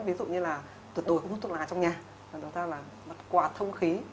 ví dụ như là tuột đồi hút thuốc lá trong nhà chúng ta là mật quả thông khí